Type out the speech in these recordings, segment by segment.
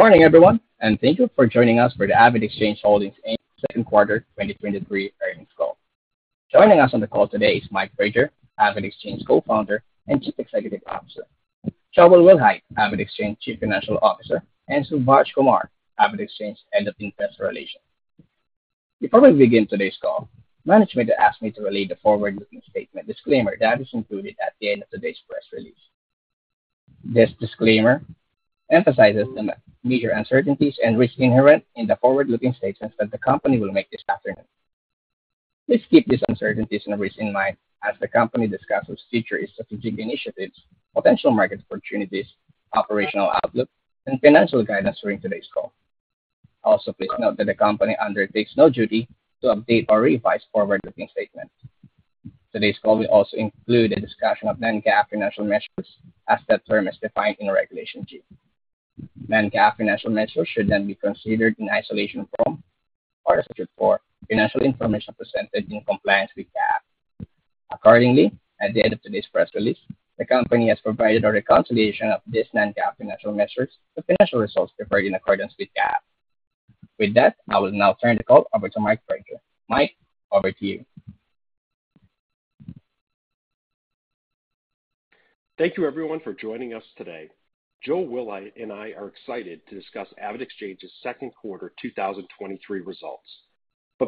Morning, everyone, and thank you for joining us for the AvidXchange Holdings Inc. Q2 2023 earnings call. Joining us on the call today is Mike Praeger, AvidXchange Co-founder and Chief Executive Officer; Joel Wilhite, AvidXchange Chief Financial Officer; and Subhaash Kumar, AvidXchange, Head of Investor Relations. Before we begin today's call, management asked me to relay the forward-looking statement disclaimer that is included at the end of today's press release. This disclaimer emphasizes the major uncertainties and risks inherent in the forward-looking statements that the company will make this afternoon. Please keep these uncertainties and risks in mind as the company discusses future strategic initiatives, potential market opportunities, operational outlook, and financial guidance during today's call. Also, please note that the company undertakes no duty to update or revise forward-looking statements. Today's call will also include a discussion of non-GAAP financial measures, as that term is defined in Regulation G. Non-GAAP financial measures should not be considered in isolation from, or as an for, financial information presented in compliance with GAAP. Accordingly, at the end of today's press release, the company has provided a reconciliation of these non-GAAP financial measures to financial results prepared in accordance with GAAP. With that, I will now turn the call over to Mike Praeger. Mike, over to you. Thank you, everyone, for joining us today. Joel Wilhite and I are excited to discuss AvidXchange's 2Q 2023 results.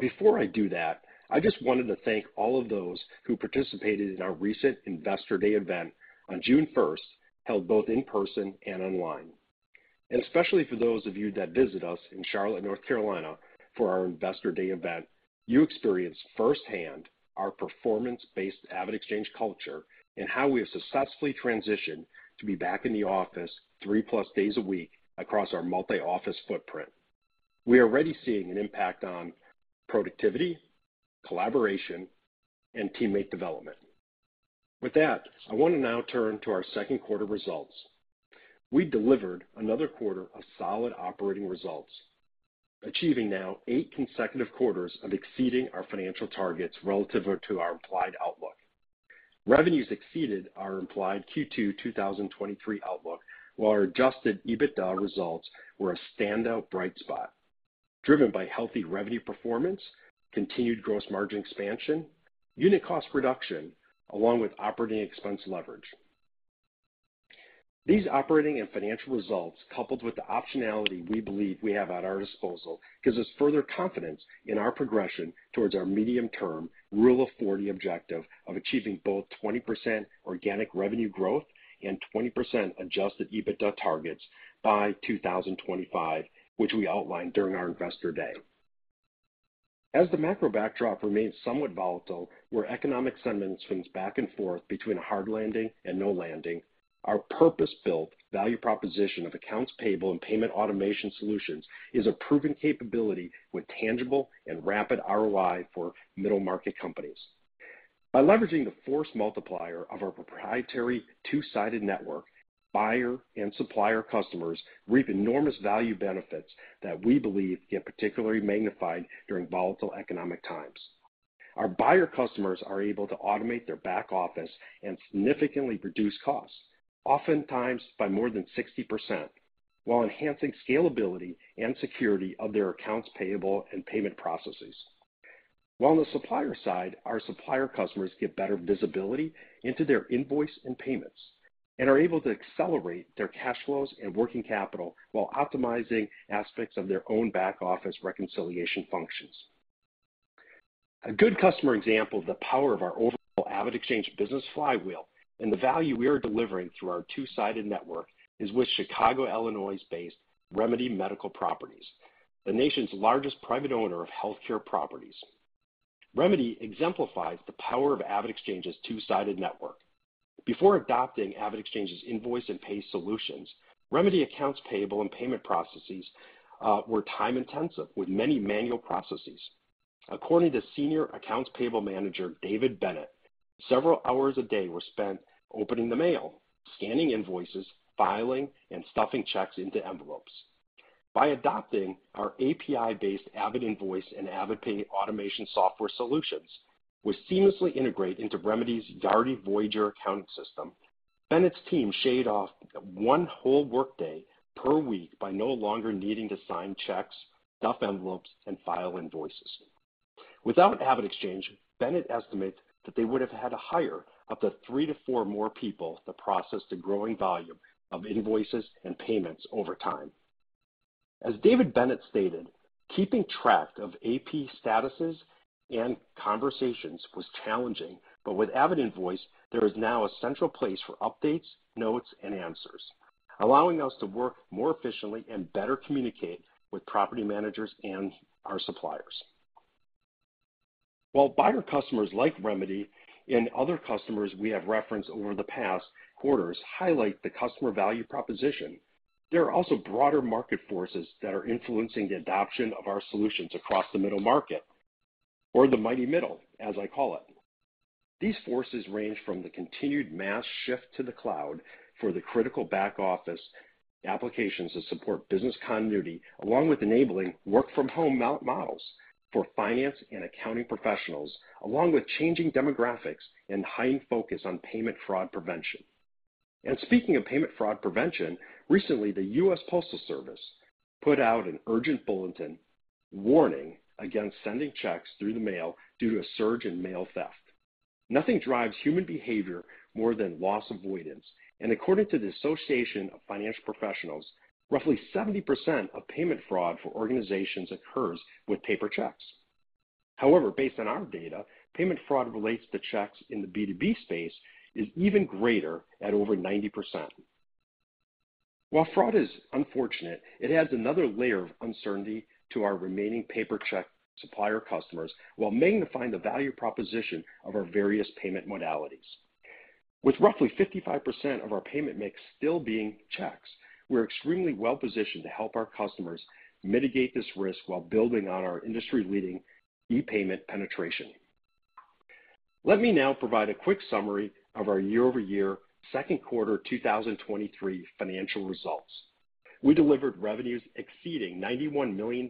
Before I do that, I just wanted to thank all of those who participated in our recent Investor Day event on June 1st, held both in person and online. Especially for those of you that visit us in Charlotte, North Carolina, for our Investor Day event, you experienced firsthand our performance-based AvidXchange culture and how we have successfully transitioned to be back in the office 3+ days a week across our multi-office footprint. We are already seeing an impact on productivity, collaboration, and teammate development. With that, I want to now turn to our Q2 results. We delivered another quarter of solid operating results, achieving now 8 consecutive quarters of exceeding our financial targets relative to our implied outlook. Revenues exceeded our implied Q2 2023 outlook, while our adjusted EBITDA results were a standout bright spot, driven by healthy revenue performance, continued gross margin expansion, unit cost reduction, along with operating expense leverage. These operating and financial results, coupled with the optionality we believe we have at our disposal, gives us further confidence in our progression towards our medium-term Rule of Forty objective of achieving both 20% organic revenue growth and 20% adjusted EBITDA targets by 2025, which we outlined during our Investor Day. As the macro backdrop remains somewhat volatile, where economic sentiment swings back and forth between a hard landing and no landing, our purpose-built value proposition of accounts payable and payment automation solutions is a proven capability with tangible and rapid ROI for middle-market companies. By leveraging the force multiplier of our proprietary two-sided network, buyer and supplier customers reap enormous value benefits that we believe get particularly magnified during volatile economic times. Our buyer customers are able to automate their back office and significantly reduce costs, oftentimes by more than 60%, while enhancing scalability and security of their accounts payable and payment processes. While on the supplier side, our supplier customers get better visibility into their invoice and payments, and are able to accelerate their cash flows and working capital while optimizing aspects of their own back-office reconciliation functions. A good customer example of the power of our overall AvidXchange business flywheel and the value we are delivering through our two-sided network is with Chicago, Illinois-based Remedy Medical Properties, the nation's largest private owner of healthcare properties. Remedy exemplifies the power of AvidXchange's two-sided network. Before adopting AvidXchange's invoice and pay solutions, Remedy accounts payable and payment processes were time-intensive, with many manual processes. According to Senior Accounts Payable Manager, David Bennett, several hours a day were spent opening the mail, scanning invoices, filing, and stuffing checks into envelopes. By adopting our API-based AvidInvoice and AvidPay automation software solutions, which seamlessly integrate into Remedy's Yardi Voyager accounting system, Bennett's team shaved off 1 whole workday per week by no longer needing to sign checks, stuff envelopes, and file invoices. Without AvidXchange, Bennett estimates that they would have had to hire up to 3 to 4 more people to process the growing volume of invoices and payments over time. As David Bennett stated, "Keeping track of AP statuses and conversations was challenging, but with AvidInvoice, there is now a central place for updates, notes, and answers, allowing us to work more efficiently and better communicate with property managers and our suppliers." While buyer customers like Remedy and other customers we have referenced over the past quarters highlight the customer value proposition, there are also broader market forces that are influencing the adoption of our solutions across the middle market or the mighty middle, as I call it. These forces range from the continued mass shift to the cloud for the critical back-office applications that support business continuity, along with enabling work-from-home models for finance and accounting professionals, along with changing demographics and heightened focus on payment fraud prevention. Speaking of payment fraud prevention, recently, the United States Postal Service put out an urgent bulletin warning against sending checks through the mail due to a surge in mail theft. Nothing drives human behavior more than loss avoidance, and according to the Association for Financial Professionals, roughly 70% of payment fraud for organizations occurs with paper checks. However, based on our data, payment fraud relates to checks in the B2B space is even greater at over 90%. While fraud is unfortunate, it adds another layer of uncertainty to our remaining paper check supplier customers, while magnifying the value proposition of our various payment modalities. With roughly 55% of our payment mix still being checks, we're extremely well positioned to help our customers mitigate this risk while building on our industry-leading e-payment penetration. Let me now provide a quick summary of our year-over-year Q2 2023 financial results. We delivered revenues exceeding $91 million,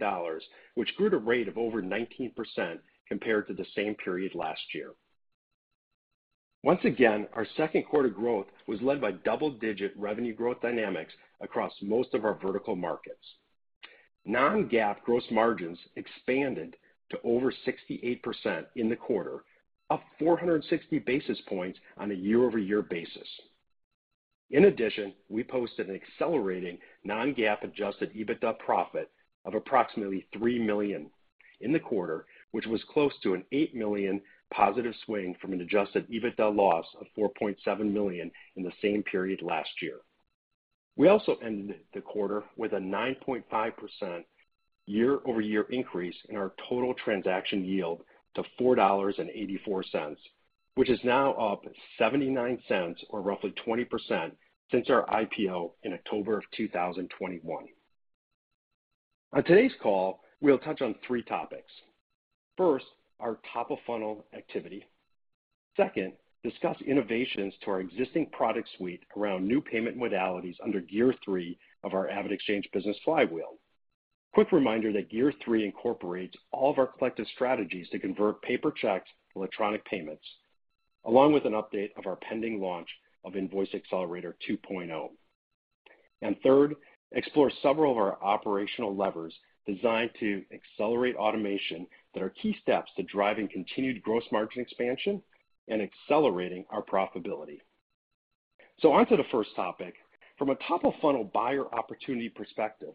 which grew at a rate of over 19% compared to the same period last year. Once again, our Q2 growth was led by double-digit revenue growth dynamics across most of our vertical markets. Non-GAAP gross margins expanded to over 68% in the quarter, up 460 basis points on a year-over-year basis. In addition, we posted an accelerating non-GAAP adjusted EBITDA profit of approximately $3 million in the quarter, which was close to an $8 million positive swing from an adjusted EBITDA loss of $4.7 million in the same period last year. We also ended the quarter with a 9.5% year-over-year increase in our total transaction yield to $4.84, which is now up $0.79, or roughly 20% since our IPO in October of 2021. On today's call, we'll touch on three topics. First, our top-of-funnel activity. Second, discuss innovations to our existing product suite around new payment modalities under gear three of our AvidXchange business flywheel. Quick reminder that gear three incorporates all of our collective strategies to convert paper checks to electronic payments, along with an update of our pending launch of Invoice Accelerator 2.0. Third, explore several of our operational levers designed to accelerate automation that are key steps to driving continued gross margin expansion and accelerating our profitability. On to the first topic. From a top-of-funnel buyer opportunity perspective,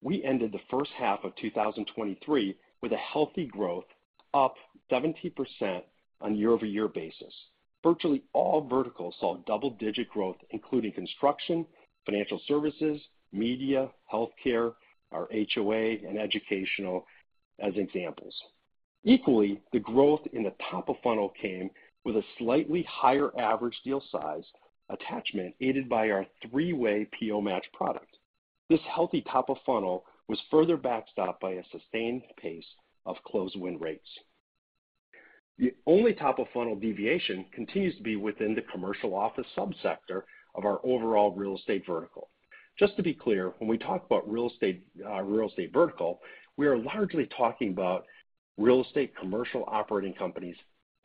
we ended the first half of 2023 with a healthy growth, up 70% on a year-over-year basis. Virtually all verticals saw double-digit growth, including construction, financial services, media, healthcare, our HOA, and educational, as examples. Equally, the growth in the top of funnel came with a slightly higher average deal size attachment, aided by our 3-way PO match product. This healthy top of funnel was further backstopped by a sustained pace of close win rates. The only top-of-funnel deviation continues to be within the commercial office subsector of our overall real estate vertical. Just to be clear, when we talk about real estate, real estate vertical, we are largely talking about real estate commercial operating companies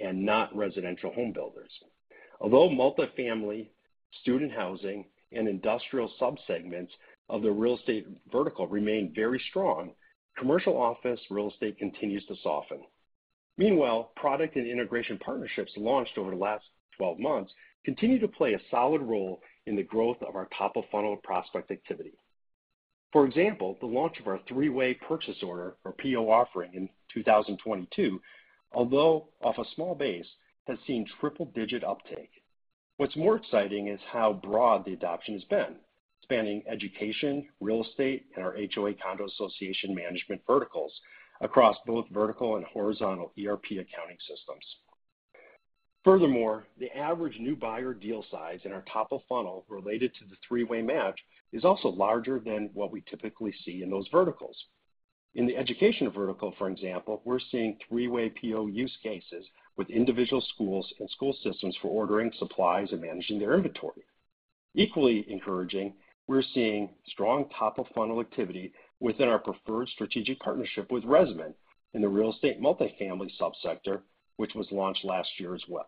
and not residential home builders. Multifamily, student housing, and industrial subsegments of the real estate vertical remain very strong, commercial office real estate continues to soften. Meanwhile, product and integration partnerships launched over the last 12 months continue to play a solid role in the growth of our top-of-funnel prospect activity. For example, the launch of our 3-way purchase order, or PO offering in 2022, although off a small base, has seen triple-digit uptake. What's more exciting is how broad the adoption has been, spanning education, real estate, and our HOA condo association management verticals across both vertical and horizontal ERP accounting systems. Furthermore, the average new buyer deal size in our top-of-funnel related to the 3-way match is also larger than what we typically see in those verticals. In the education vertical, for example, we're seeing 3-way PO use cases with individual schools and school systems for ordering supplies and managing their inventory. Equally encouraging, we're seeing strong top-of-funnel activity within our preferred strategic partnership with ResMan in the real estate multifamily subsector, which was launched last year as well.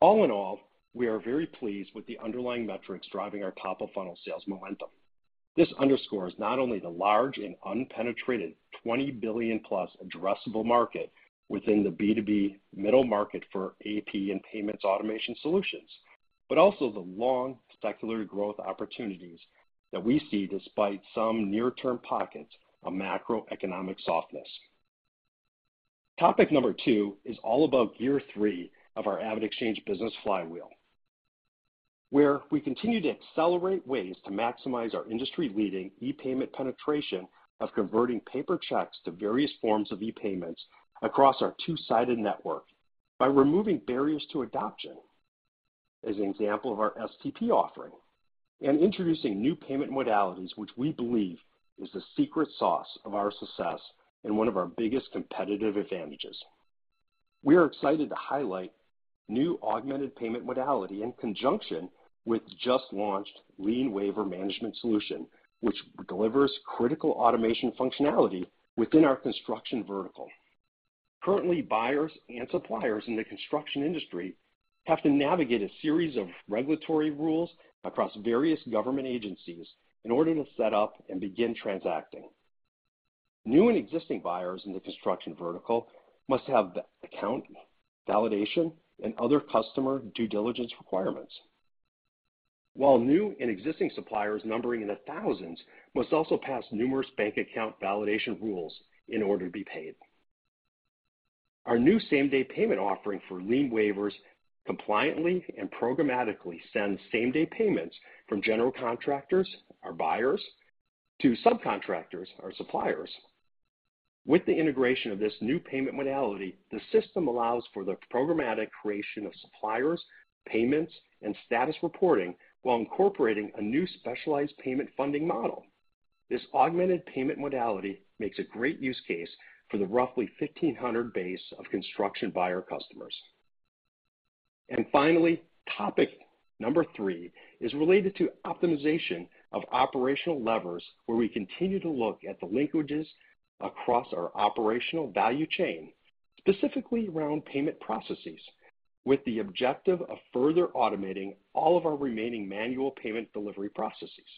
All in all, we are very pleased with the underlying metrics driving our top-of-funnel sales momentum. This underscores not only the large and unpenetrated $20 billion-plus addressable market within the B2B middle market for AP and payments automation solutions, but also the long secular growth opportunities that we see despite some near-term pockets of macroeconomic softness. Topic number two is all about year three of our AvidXchange business flywheel, where we continue to accelerate ways to maximize our industry-leading e-payment penetration of converting paper checks to various forms of e-payments across our two-sided network by removing barriers to adoption, as an example of our STP offering, and introducing new payment modalities, which we believe is the secret sauce of our success and one of our biggest competitive advantages. We are excited to highlight new augmented payment modality in conjunction with just-launched lien waiver management solution, which delivers critical automation functionality within our construction vertical. Currently, buyers and suppliers in the construction industry have to navigate a series of regulatory rules across various government agencies in order to set up and begin transacting. New and existing buyers in the construction vertical must have the account validation and other customer due diligence requirements, while new and existing suppliers, numbering in the thousands, must also pass numerous bank account validation rules in order to be paid. Our new same-day payment offering for lien waivers compliantly and programmatically sends same-day payments from general contractors, our buyers, to subcontractors, our suppliers. With the integration of this new payment modality, the system allows for the programmatic creation of suppliers, payments, and status reporting while incorporating a new specialized payment funding model. This augmented payment modality makes a great use case for the roughly 1,500 base of construction buyer customers. Finally, topic number three is related to optimization of operational levers, where we continue to look at the linkages across our operational value chain, specifically around payment processes, with the objective of further automating all of our remaining manual payment delivery processes.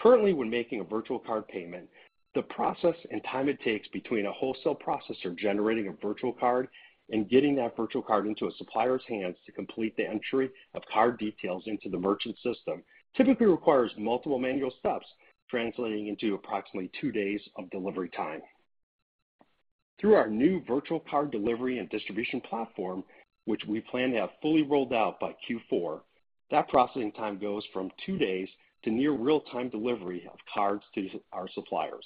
Currently, when making a virtual card payment, the process and time it takes between a wholesale processor generating a virtual card and getting that virtual card into a supplier's hands to complete the entry of card details into the merchant system, typically requires multiple manual steps, translating into approximately two days of delivery time. Through our new virtual card delivery and distribution platform, which we plan to have fully rolled out by Q4, that processing time goes from two days to near real-time delivery of cards to our suppliers.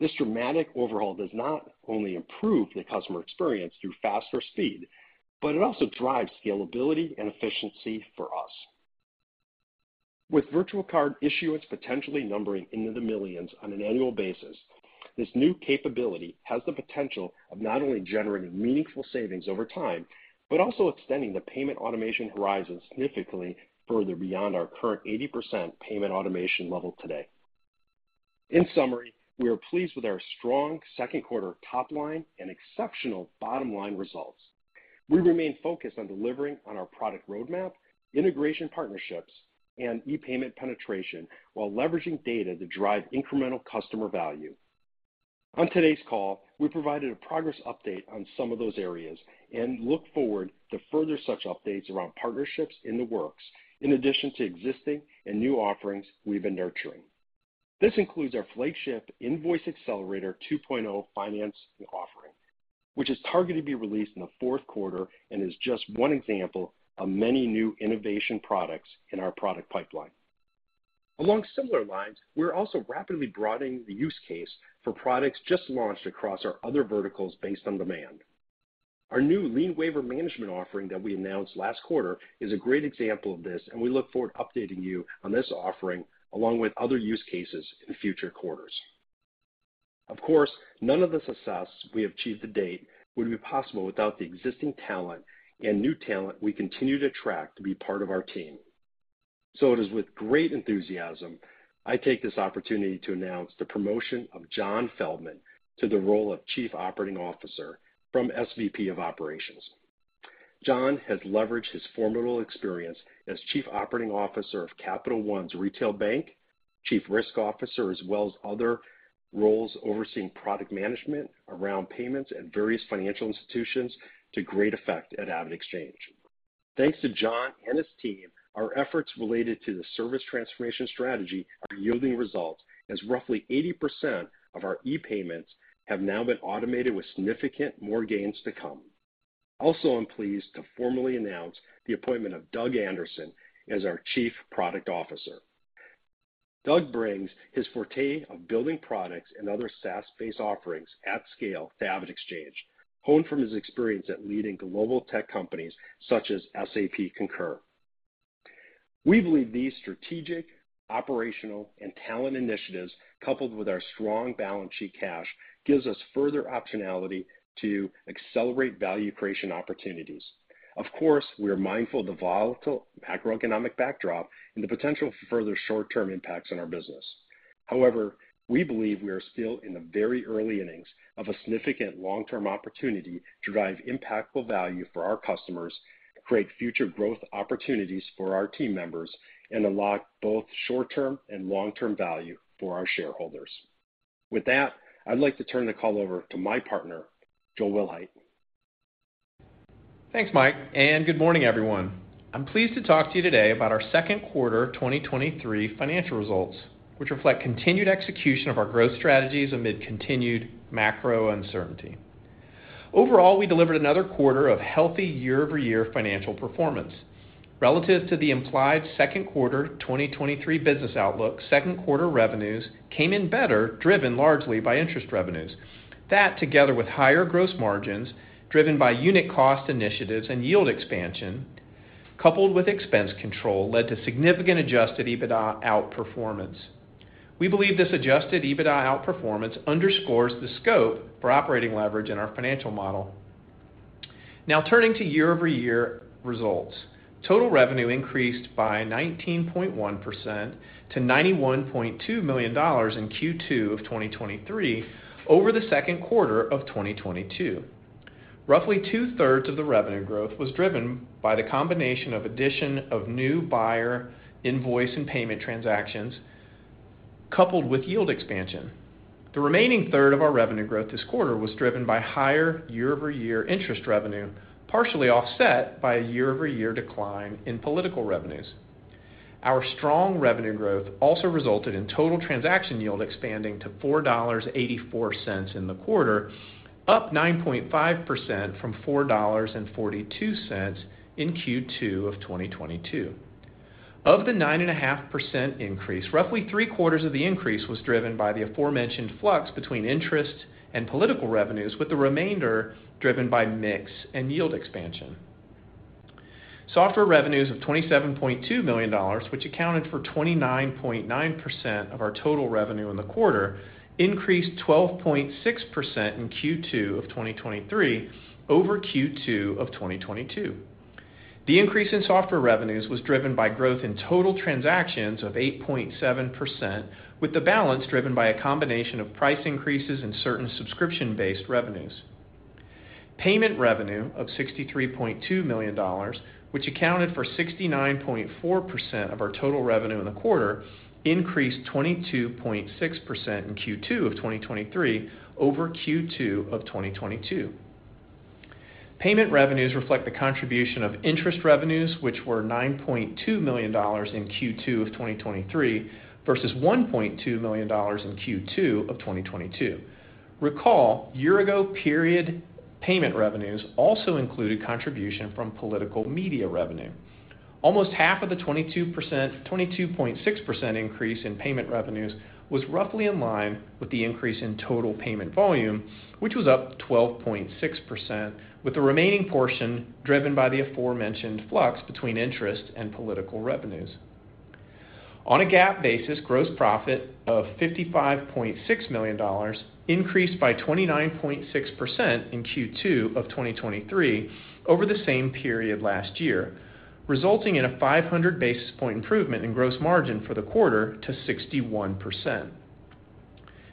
This dramatic overhaul does not only improve the customer experience through faster speed, but it also drives scalability and efficiency for us. With virtual card issuance potentially numbering into the millions on an annual basis, this new capability has the potential of not only generating meaningful savings over time, but also extending the payment automation horizon significantly further beyond our current 80% payment automation level today. In summary, we are pleased with our strong Q2 top line and exceptional bottom-line results. We remain focused on delivering on our product roadmap, integration partnerships, and e-payment penetration, while leveraging data to drive incremental customer value. On today's call, we provided a progress update on some of those areas and look forward to further such updates around partnerships in the works, in addition to existing and new offerings we've been nurturing. This includes our flagship Invoice Accelerator 2.0 finance offering, which is targeted to be released in the Q4 and is just one example of many new innovation products in our product pipeline. Along similar lines, we're also rapidly broadening the use case for products just launched across our other verticals based on demand. Our new lien waiver management offering that we announced last quarter is a great example of this, and we look forward to updating you on this offering along with other use cases in future quarters. Of course, none of the success we have achieved to date would be possible without the existing talent and new talent we continue to attract to be part of our team. It is with great enthusiasm, I take this opportunity to announce the promotion of John Feldman to the role of Chief Operating Officer from SVP of Operations. John has leveraged his formidable experience as Chief Operating Officer of Capital One's retail bank, Chief Risk Officer, as well as other roles overseeing product management around payments at various financial institutions to great effect at AvidXchange. Thanks to John and his team, our efforts related to the service transformation strategy are yielding results, as roughly 80% of our e-payments have now been automated, with significant more gains to come. Also, I'm pleased to formally announce the appointment of Doug Anderson as our Chief Product Officer. Doug brings his forte of building products and other SaaS-based offerings at scale to AvidXchange, honed from his experience at leading global tech companies such as SAP Concur. We believe these strategic, operational, and talent initiatives, coupled with our strong balance sheet cash, gives us further optionality to accelerate value creation opportunities. Of course, we are mindful of the volatile macroeconomic backdrop and the potential for further short-term impacts on our business. However, we believe we are still in the very early innings of a significant long-term opportunity to drive impactful value for our customers, create future growth opportunities for our team members, and unlock both short-term and long-term value for our shareholders. With that, I'd like to turn the call over to my partner, Joel Wilhite. Thanks, Mike, good morning, everyone. I'm pleased to talk to you today about our Q2 2023 financial results, which reflect continued execution of our growth strategies amid continued macro uncertainty. Overall, we delivered another quarter of healthy year-over-year financial performance. Relative to the implied Q2 2023 business outlook, Q2 revenues came in better, driven largely by interest revenues. That, together with higher gross margins driven by unit cost initiatives and yield expansion, coupled with expense control, led to significant adjusted EBITDA outperformance. We believe this adjusted EBITDA outperformance underscores the scope for operating leverage in our financial model. Turning to year-over-year results. Total revenue increased by 19.1% to $91.2 million in Q2 of 2023 over the Q2 of 2022. Roughly two-thirds of the revenue growth was driven by the combination of addition of new buyer invoice and payment transactions, coupled with yield expansion. The remaining third of our revenue growth this quarter was driven by higher year-over-year interest revenue, partially offset by a year-over-year decline in political revenues. Our strong revenue growth also resulted in total transaction yield expanding to $4.84 in the quarter, up 9.5% from $4.42 in Q2 of 2022. Of the 9.5% increase, roughly three-quarters of the increase was driven by the aforementioned flux between interest and political revenues, with the remainder driven by mix and yield expansion. Software revenues of $27.2 million, which accounted for 29.9% of our total revenue in the quarter, increased 12.6% in Q2 of 2023 over Q2 of 2022. The increase in software revenues was driven by growth in total transactions of 8.7%, with the balance driven by a combination of price increases in certain subscription-based revenues. Payment revenue of $63.2 million, which accounted for 69.4% of our total revenue in the quarter, increased 22.6% in Q2 of 2023 over Q2 of 2022. Payment revenues reflect the contribution of interest revenues, which were $9.2 million in Q2 of 2023, versus $1.2 million in Q2 of 2022. Recall, year ago, period payment revenues also included contribution from political media revenue. Almost half of the 22.6% increase in payment revenues was roughly in line with the increase in total payment volume, which was up 12.6%, with the remaining portion driven by the aforementioned flux between interest and political revenues. On a GAAP basis, gross profit of $55.6 million increased by 29.6% in Q2 of 2023 over the same period last year, resulting in a 500 basis point improvement in gross margin for the quarter to 61%.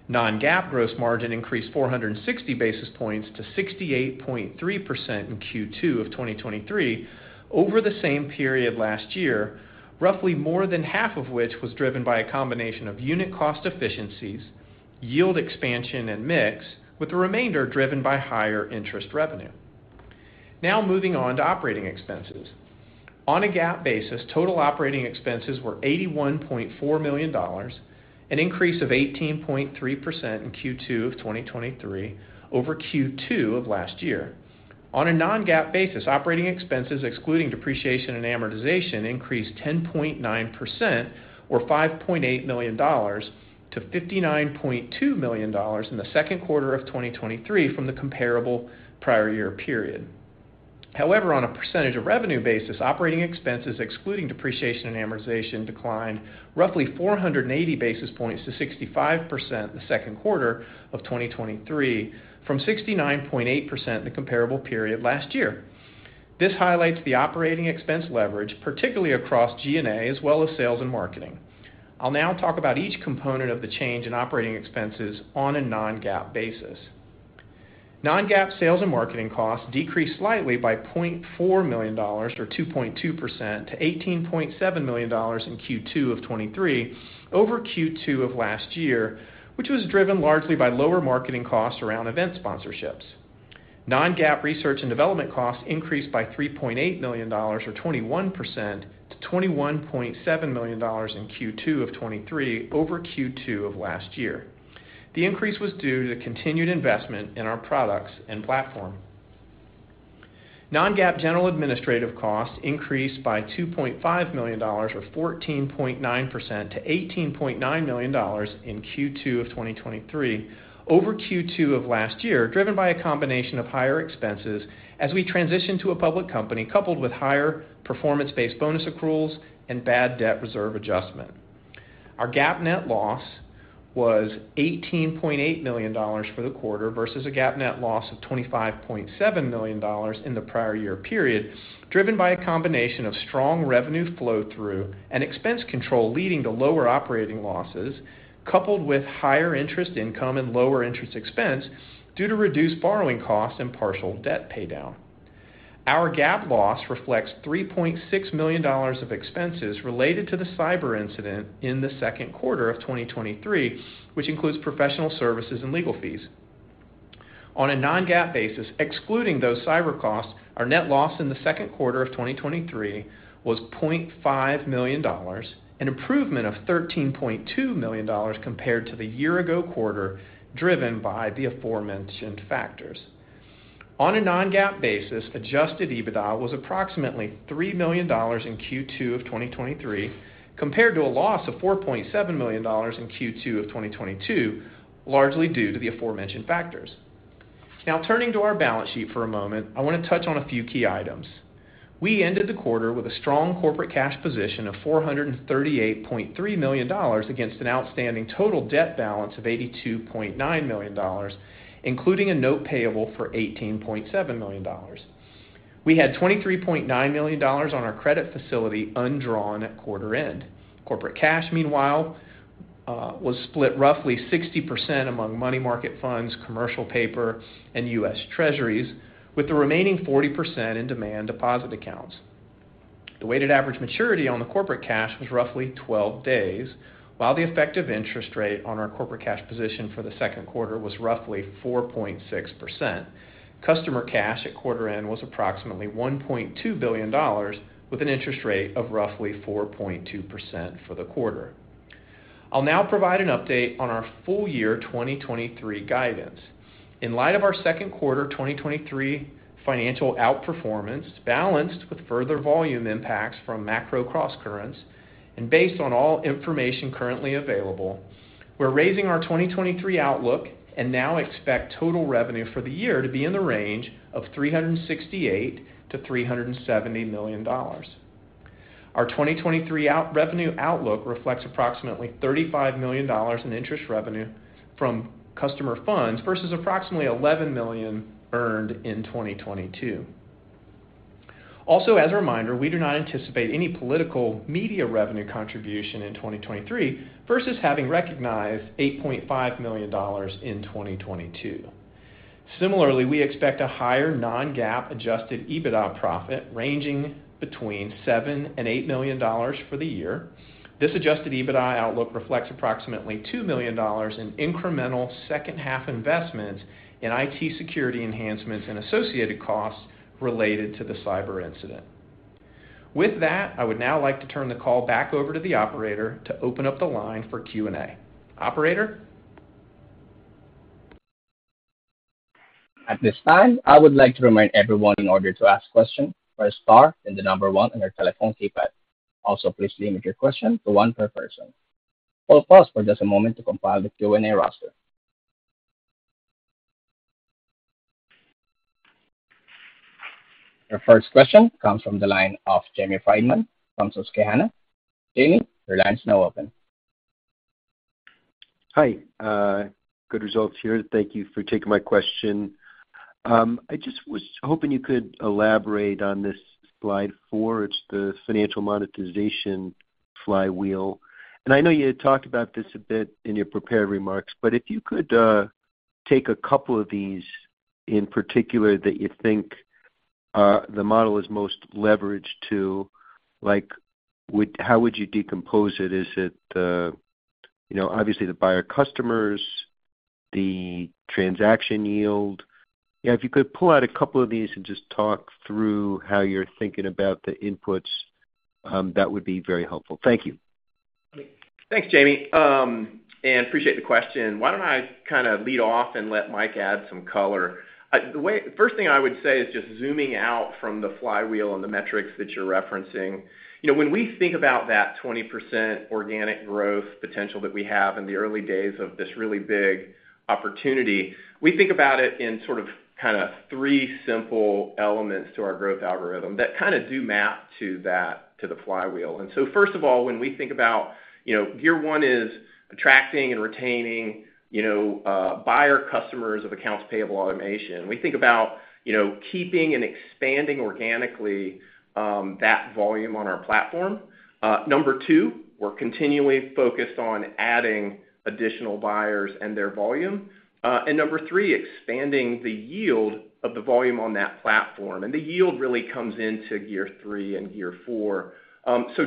Non-GAAP gross margin increased 460 basis points to 68.3% in Q2 of 2023 over the same period last year, roughly more than half of which was driven by a combination of unit cost efficiencies, yield expansion and mix, with the remainder driven by higher interest revenue. Now moving on to operating expenses. On a GAAP basis, total operating expenses were $81.4 million, an increase of 18.3% in Q2 of 2023 over Q2 of last year. On a non-GAAP basis, operating expenses, excluding depreciation and amortization, increased 10.9% or $5.8 million to $59.2 million in the Q2 of 2023 from the comparable prior year period. On a percentage of revenue basis, operating expenses, excluding depreciation and amortization, declined roughly 480 basis points to 65% the Q2 of 2023, from 69.8% the comparable period last year. This highlights the operating expense leverage, particularly across G&A, as well as sales and marketing. I'll now talk about each component of the change in operating expenses on a non-GAAP basis. Non-GAAP sales and marketing costs decreased slightly by $0.4 million, or 2.2% to $18.7 million in Q2 of 2023 over Q2 of last year, which was driven largely by lower marketing costs around event sponsorships. Non-GAAP research and development costs increased by $3.8 million, or 21% to $21.7 million in Q2 of 2023 over Q2 of last year. The increase was due to the continued investment in our products and platform. Non-GAAP general administrative costs increased by $2.5 million, or 14.9% to $18.9 million in Q2 of 2023 over Q2 of last year, driven by a combination of higher expenses as we transition to a public company, coupled with higher performance-based bonus accruals and bad debt reserve adjustment. Our GAAP net loss was $18.8 million for the quarter, versus a GAAP net loss of $25.7 million in the prior year period, driven by a combination of strong revenue flow-through and expense control, leading to lower operating losses, coupled with higher interest income and lower interest expense due to reduced borrowing costs and partial debt paydown. Our GAAP loss reflects $3.6 million of expenses related to the cyber incident in the Q2 of 2023, which includes professional services and legal fees. On a non-GAAP basis, excluding those cyber costs, our net loss in the Q2 of 2023 was $0.5 million, an improvement of $13.2 million compared to the year ago quarter, driven by the aforementioned factors. On a non-GAAP basis, adjusted EBITDA was approximately $3 million in Q2 of 2023, compared to a loss of $4.7 million in Q2 of 2022, largely due to the aforementioned factors. Turning to our balance sheet for a moment, I want to touch on a few key items. We ended the quarter with a strong corporate cash position of $438.3 million, against an outstanding total debt balance of $82.9 million, including a note payable for $18.7 million. We had $23.9 million on our credit facility undrawn at quarter end. Corporate cash, meanwhile, was split roughly 60% among money market funds, commercial paper, and U.S. Treasuries, with the remaining 40% in demand deposit accounts. The weighted average maturity on the corporate cash was roughly 12 days, while the effective interest rate on our corporate cash position for the Q2 was roughly 4.6%. Customer cash at quarter end was approximately $1.2 billion, with an interest rate of roughly 4.2% for the quarter. I'll now provide an update on our full year 2023 guidance. In light of our Q2 2023 financial outperformance, balanced with further volume impacts from macro crosscurrents, and based on all information currently available, we're raising our 2023 outlook and now expect total revenue for the year to be in the range of $368 million-$370 million. Our 2023 out- revenue outlook reflects approximately $35 million in interest revenue from customer funds, versus approximately $11 million earned in 2022. As a reminder, we do not anticipate any political media revenue contribution in 2023, versus having recognized $8.5 million in 2022. Similarly, we expect a higher non-GAAP adjusted EBITDA profit, ranging between $7 million and $8 million for the year. This adjusted EBITDA outlook reflects approximately $2 million in incremental second-half investments in IT security enhancements and associated costs related to the cyber incident. With that, I would now like to turn the call back over to the operator to open up the line for Q&A. Operator? At this time, I would like to remind everyone, in order to ask a question, press star, then the number one on your telephone keypad. Please limit your question to one per person. We'll pause for just a moment to compile the Q&A roster. Your first question comes from the line of Jamie Friedman from Susquehanna. Jamie, your line is now open. Hi, good results here. Thank you for taking my question. I just was hoping you could elaborate on this slide four. It's the financial monetization flywheel. I know you had talked about this a bit in your prepared remarks, but if you could take a couple of these, in particular, that you think the model is most leveraged to, like, how would you decompose it? Is it the, you know, obviously, the buyer customers, the transaction yield? Yeah, if you could pull out a couple of these and just talk through how you're thinking about the inputs, that would be very helpful. Thank you. Thanks, Jamie. Appreciate the question. Why don't I kind of lead off and let Mike add some color? The first thing I would say is just zooming out from the flywheel and the metrics that you're referencing. You know, when we think about that 20% organic growth potential that we have in the early days of this really big opportunity, we think about it in sort of, kind of three simple elements to our growth algorithm that kind of do map to that, to the flywheel. First of all, when we think about, you know, year one is attracting and retaining, you know, buyer customers of accounts payable automation. We think about, you know, keeping and expanding organically, that volume on our platform. Number two, we're continually focused on adding additional buyers and their volume. Number three, expanding the yield of the volume on that platform, and the yield really comes into year three and year four.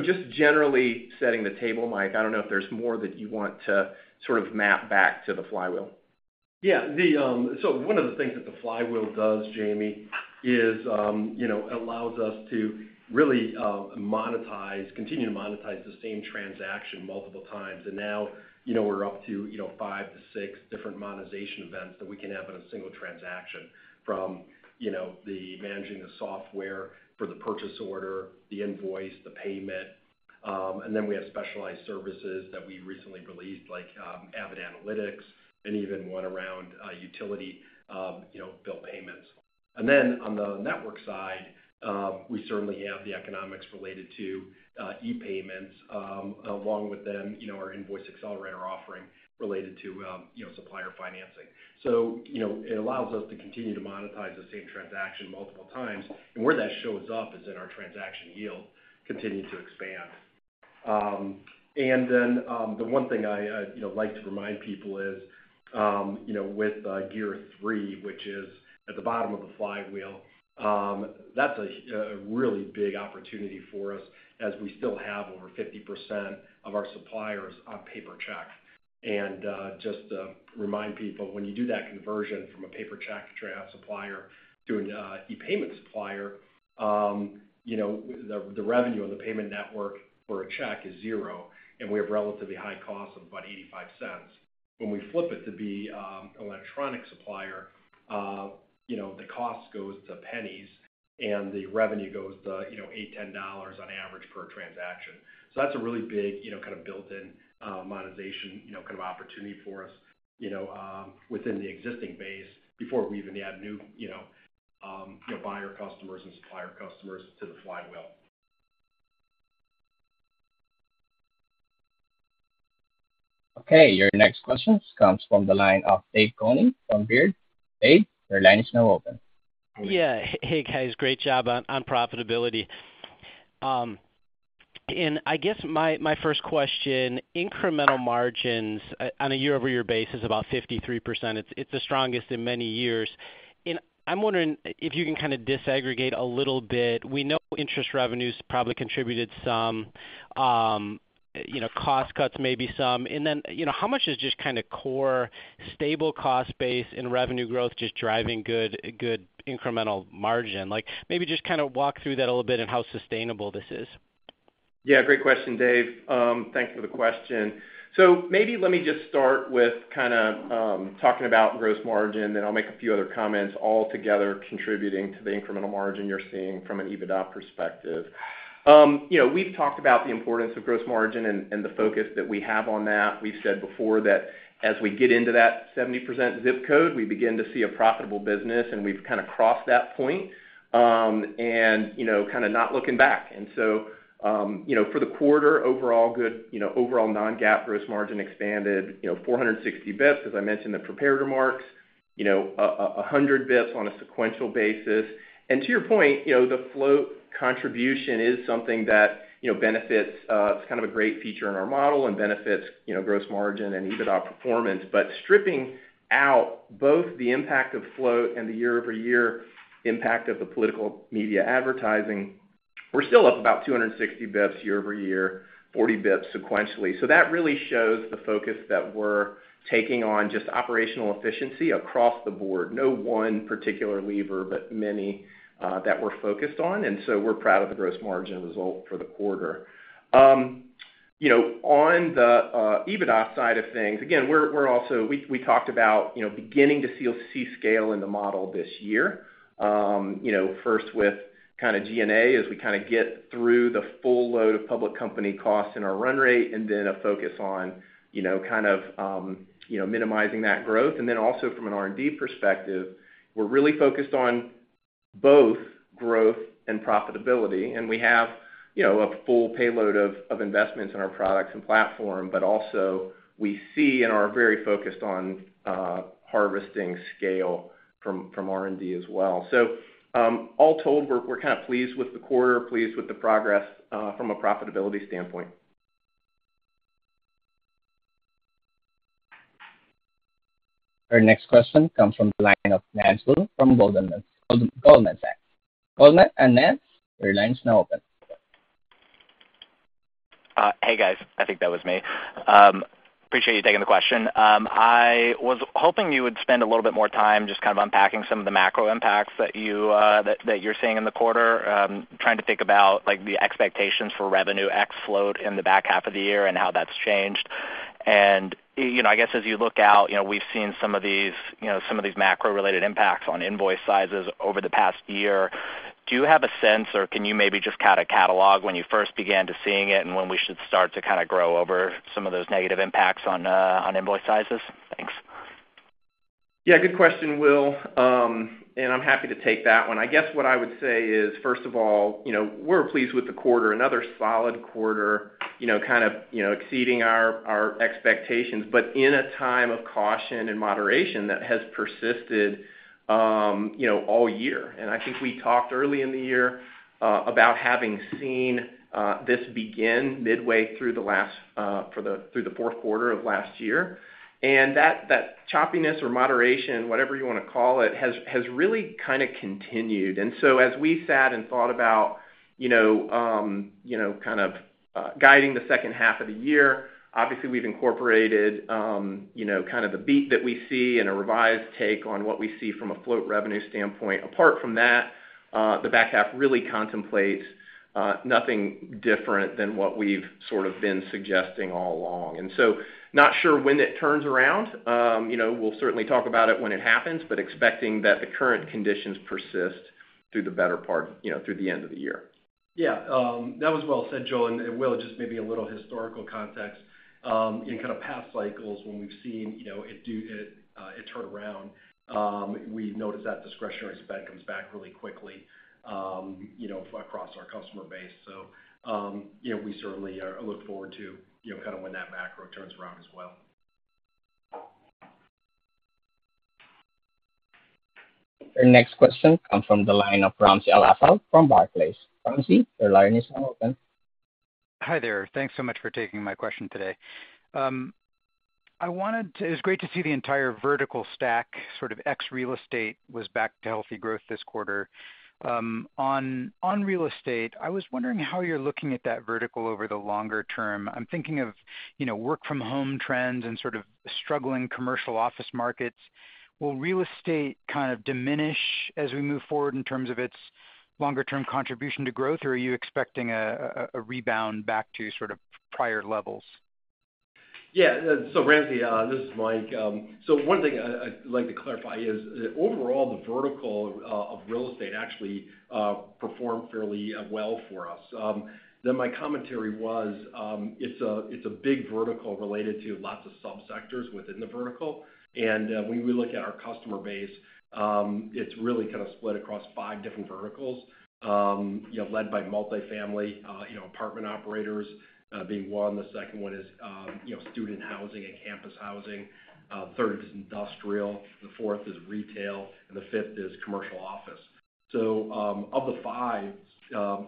Just generally setting the table, Mike, I don't know if there's more that you want to sort of map back to the flywheel. Yeah, the, so one of the things that the flywheel does, Jamie, is, you know, allows us to really monetize, continue to monetize the same transaction multiple times. Now, you know, we're up to, you know, five to six different monetization events that we can have in a single transaction from, you know, the managing the software for the purchase order, the invoice, the payment. Then we have specialized services that we recently released, like Avid Analytics and even one around utility, you know, bill payments. Then on the network side, we certainly have the economics related to e-payments, along with them, you know, our Invoice Accelerator offering related to, you know, supplier financing. So, you know, it allows us to continue to monetize the same transaction multiple times, and where that shows up is in our transaction yield, continuing to expand. Um, and then, um, the one thing I, I, you know, like to remind people is, um, you know, with, uh, year three, which is at the bottom of the flywheel, um, that's a, uh, a really big opportunity for us, as we still have over fifty percent of our suppliers on paper checks. And, uh, just to remind people, when you do that conversion from a paper check to a supplier, to an, uh, e-payment supplier, um, you know, the, the revenue on the payment network for a check is zero, and we have relatively high costs of about eighty-five cents. When we flip it to be electronic supplier, you know, the cost goes to pennies, and the revenue goes to, you know, $8 to $10 on average per transaction. That's a really big, you know, kind of built-in monetization, you know, kind of opportunity for us, you know, within the existing base before we even add new, you know, buyer customers and supplier customers to the flywheel. Okay, your next question comes from the line of Dave Koning from Baird. Dave, your line is now open. Yeah. Hey, guys. Great job on, on profitability. I guess my, my first question, incremental margins on a year-over-year basis, about 53%. It's, it's the strongest in many years. I'm wondering if you can kind of disaggregate a little bit. We know interest revenues probably contributed some, you know, cost cuts, maybe some. Then, you know, how much is just kind of core, stable cost base and revenue growth just driving good, good incremental margin? Like, maybe just kind of walk through that a little bit and how sustainable this is. Yeah, great question, Dave. Thanks for the question. Maybe let me just start with kind of talking about gross margin, then I'll make a few other comments altogether contributing to the incremental margin you're seeing from an EBITDA perspective. You know, we've talked about the importance of gross margin and the focus that we have on that. We've said before that as we get into that 70% ZIP code, we begin to see a profitable business, and we've kind of crossed that point, and, you know, kind of not looking back. You know, for the quarter, overall good, you know, overall, non-GAAP gross margin expanded, you know, 460 bips, as I mentioned in the prepared remarks. You know, 100 bips on a sequential basis. To your point, you know, the float contribution is something that, you know, benefits. It's kind of a great feature in our model and benefits, you know, gross margin and EBITDA performance. Stripping out both the impact of float and the year-over-year impact of the political media advertising, we're still up about 260 bips year-over-year, 40 bips sequentially. That really shows the focus that we're taking on just operational efficiency across the board. No one particular lever, but many that we're focused on, and so we're proud of the gross margin result for the quarter. You know, on the EBITDA side of things, again, we're also, we talked about, you know, beginning to see, see scale in the model this year. you know, first with kind of G&A, as we kind of get through the full load of public company costs in our run rate, and then a focus on, you know, kind of, you know, minimizing that growth. Also from an R&D perspective, we're really focused on both growth and profitability, and we have, you know, a full payload of, of investments in our products and platform. Also, we see and are very focused on harvesting scale from R&D as well. All told, we're, we're kind of pleased with the quarter, pleased with the progress from a profitability standpoint. Our next question comes from the line of Nance Will from Goldman, Goldman Sachs. Will Nance, your line is now open. Hey, guys. I think that was me. Appreciate you taking the question. I was hoping you would spend a little bit more time just kind of unpacking some of the macro impacts that you, that, that you're seeing in the quarter. Trying to think about, like, the expectations for revenue ex float in the back half of the year and how that's changed. You know, I guess as you look out, you know, we've seen some of these, you know, some of these macro-related impacts on invoice sizes over the past year. Do you have a sense, or can you maybe just kind of catalog when you first began to seeing it and when we should start to kind of grow over some of those negative impacts on, on invoice sizes? Thanks. Yeah, good question, Will. I'm happy to take that one. I guess what I would say is, first of all, you know, we're pleased with the quarter. Another solid quarter, you know, kind of, you know, exceeding our, our expectations in a time of caution and moderation that has persisted, you know, all year. I think we talked early in the year about having seen this begin midway through the last through the Q4 of last year. That, that choppiness or moderation, whatever you wanna call it, has, has really kind of continued. As we sat and thought about, you know, kind of guiding the second half of the year, obviously, we've incorporated, you know, kind of the beat that we see and a revised take on what we see from a float revenue standpoint. Apart from that, the back half really contemplates nothing different than what we've sort of been suggesting all along. Not sure when it turns around. You know, we'll certainly talk about it when it happens, but expecting that the current conditions persist through the better part, you know, through the end of the year. Yeah, that was well said, Joel. Will, just maybe a little historical context. In kind of past cycles when we've seen, you know, it turn around, we noticed that discretionary spend comes back really quickly, you know, across our customer base. You know, we certainly look forward to, you know, kind of when that macro turns around as well. Our next question comes from the line of Ramsey El-Assal from Barclays. Ramsey, your line is now open. Hi, there. Thanks so much for taking my question today. It's great to see the entire vertical stack, sort of ex real estate, was back to healthy growth this quarter. On real estate, I was wondering how you're looking at that vertical over the longer term. I'm thinking of, you know, work from home trends and sort of struggling commercial office markets. Will real estate kind of diminish as we move forward in terms of its longer-term contribution to growth, or are you expecting a rebound back to sort of prior levels? Yeah. Ramsey, this is Mike. One thing I'd, I'd like to clarify is that overall, the vertical of real estate actually performed fairly well for us. My commentary was, it's a, it's a big vertical related to lots of subsectors within the vertical. When we look at our customer base, it's really kind of split across five different verticals, you know, led by multifamily, you know, apartment operators, being one. The second one is, you know, student housing and campus housing. Third is industrial, the fourth is retail, and the fifth is commercial office. Of the five,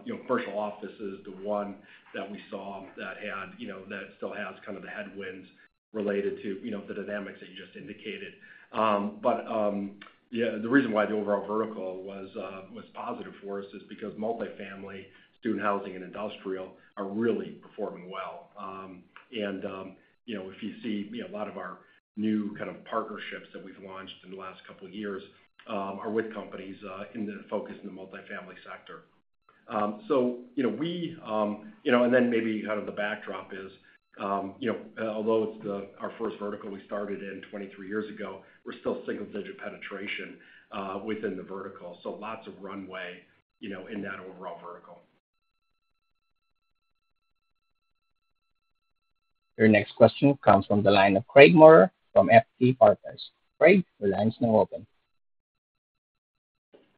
you know, commercial office is the one that we saw that had, you know, that still has kind of the headwinds related to, you know, the dynamics that you just indicated. Yeah, the reason why the overall vertical was positive for us is because multifamily, student housing, and industrial are really performing well. You know, if you see, you know, a lot of our new kind of partnerships that we've launched in the last couple of years, are with companies in the focused in the multifamily sector. You know, we, you know, and then maybe kind of the backdrop is, you know, although it's the, our first vertical we started in 23 years ago, we're still single-digit penetration within the vertical, so lots of runway, you know, in that overall vertical. Your next question comes from the line of Craig Maurer from FT Partners. Craig, the line is now open.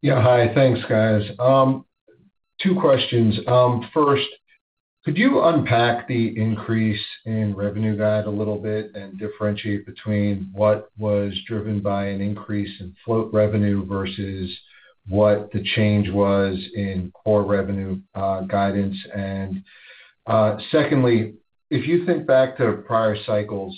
Yeah, hi. Thanks, guys. Two questions. First, could you unpack the increase in revenue guide a little bit and differentiate between what was driven by an increase in float revenue versus what the change was in core revenue guidance? Secondly, if you think back to prior cycles,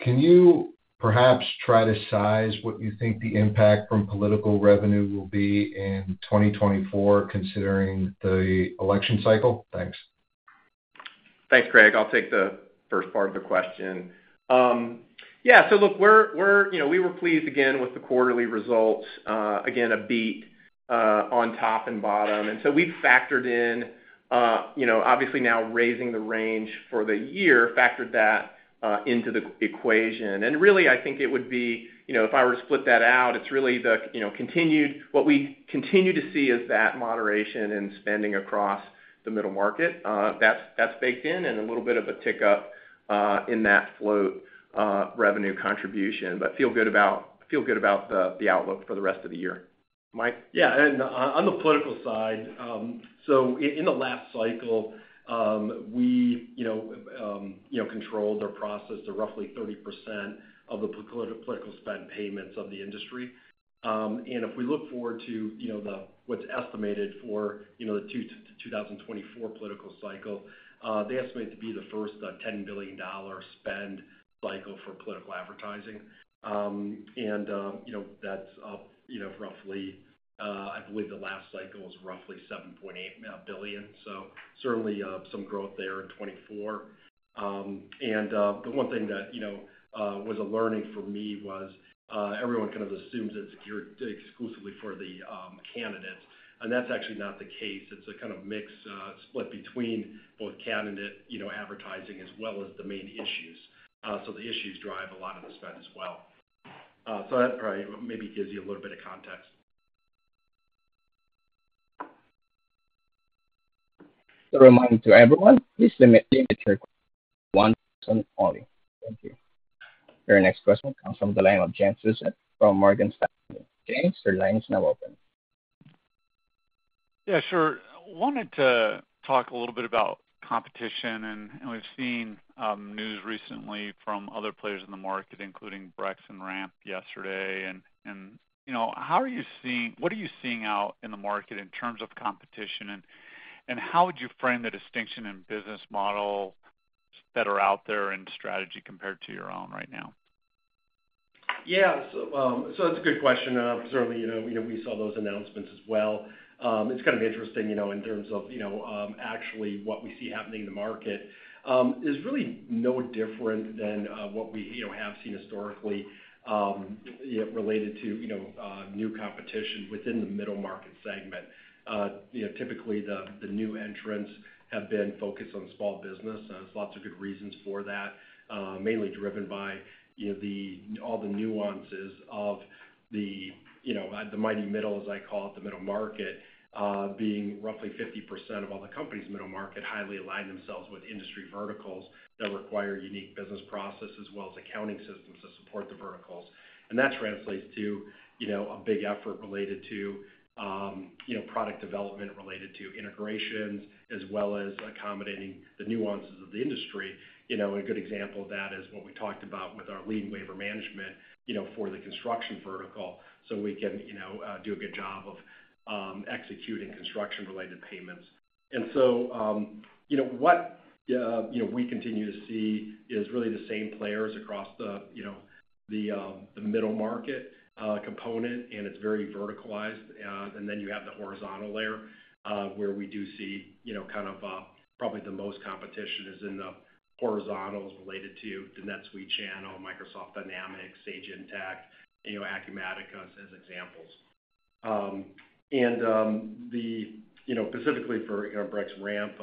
can you perhaps try to size what you think the impact from political revenue will be in 2024, considering the election cycle? Thanks. Thanks, Craig. I'll take the first part of the question. Look, we're, we're, you know, we were pleased again with the quarterly results. Again, a beat on top and bottom. We've factored in, you know, obviously now raising the range for the year, factored that into the equation. Really, I think it would be, you know, if I were to split that out, it's really the, you know, continued. What we continue to see is that moderation in spending across the middle market, that's, that's baked in, and a little bit of a tick-up in that float revenue contribution. Feel good about, feel good about the outlook for the rest of the year. Mike? Yeah, on, on the political side, in, in the last cycle, we, you know, controlled or processed roughly 30% of the political spend payments of the industry. If we look forward to, you know, the, what's estimated for, you know, the 2024 political cycle, they estimate it to be the first, $10 billion spend cycle for political advertising. you know, that's up, you know, roughly, I believe the last cycle was roughly $7.8 billion, certainly, some growth there in 2024. one thing that, you know, was a learning for me was, everyone kind of assumes it's geared exclusively for the candidates, and that's actually not the case. It's a kind of mixed split between both candidate, you know, advertising as well as the main issues. The issues drive a lot of the spend as well. That probably maybe gives you a little bit of context. A reminder to everyone, please limit your questions to one person only. Thank you. Your next question comes from the line of James Faucette from Morgan Stanley. James, your line is now open. Yeah, sure. Wanted to talk a little bit about competition, and, and we've seen, news recently from other players in the market, including Brex and Ramp yesterday. You know, how are you seeing, what are you seeing out in the market in terms of competition, and, and how would you frame the distinction in business models that are out there and strategy compared to your own right now? Yeah. So, it's a good question. Certainly, you know, we saw those announcements as well. It's kind of interesting, you know, in terms of, you know, actually what we see happening in the market, is really no different than what we, you know, have seen historically, related to, you know, new competition within the middle market segment. You know, typically the, the new entrants have been focused on small business. There's lots of good reasons for that, mainly driven by, you know, the, all the nuances of the, you know, the mighty middle, as I call it, the middle market, being roughly 50% of all the companies. Middle market highly align themselves with industry verticals that require unique business processes as well as accounting systems to support the verticals. That translates to, you know, a big effort related to, you know, product development, related to integrations, as well as accommodating the nuances of the industry. You know, a good example of that is what we talked about with our lien waiver management, you know, for the construction vertical, so we can, you know, do a good job of executing construction-related payments. You know what, you know, we continue to see is really the same players across the, you know, the middle market component, and it's very verticalized. Then you have the horizontal layer, where we do see, you know, kind of, probably the most competition is in the horizontals related to the NetSuite channel, Microsoft Dynamics, Sage Intacct, you know, Acumatica, as examples. Specifically for, you know, Brex Ramp,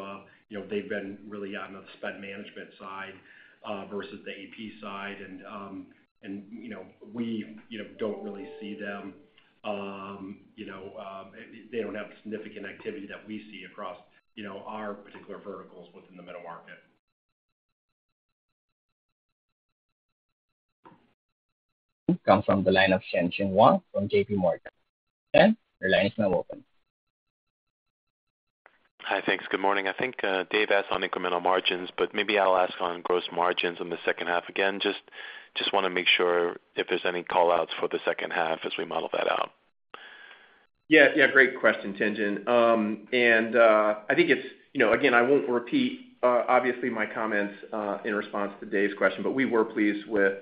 you know, they've been really on the spend management side, versus the AP side. You know, we, you know, don't really see them, they don't have significant activity that we see across, you know, our particular verticals within the middle market. Come from the line of Tien-Tsin Huang from JPMorgan. Tien, your line is now open. Hi, thanks. Good morning. I think Dave asked on incremental margins, but maybe I'll ask on gross margins in the second half. Again, just, just wanna make sure if there's any call-outs for the second half as we model that out. Yeah. Yeah, great question, Tien-Tsin. I think it's... You know, again, I won't repeat, obviously, my comments in response to Dave's question, but we were pleased with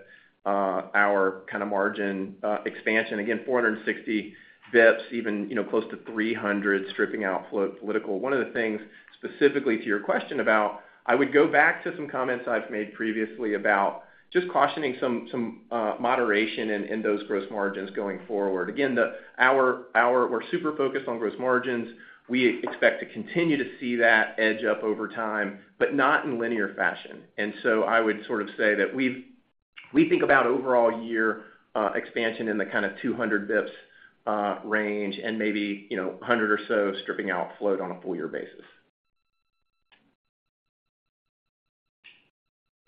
our kind of margin expansion. Again, 460 basis points, even, you know, close to 300, stripping out float political. One of the things, specifically to your question about, I would go back to some comments I've made previously about just cautioning some, some moderation in those gross margins going forward. Again, we're super focused on gross margins. We expect to continue to see that edge up over time, but not in linear fashion. I would sort of say that we think about overall year expansion in the kind of 200 basis points range and maybe, you know, 100 or so stripping out float on a full year basis.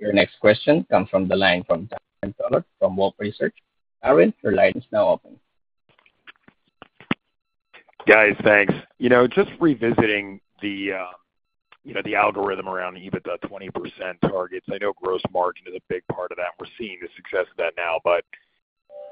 Your next question comes from the line of Darrin Peller from Wolfe Research. Darrin, your line is now open. Guys, thanks. You know, just revisiting the, you know, the algorithm around the EBITDA 20% targets. I know gross margin is a big part of that, and we're seeing the success of that now.